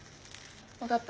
分かった。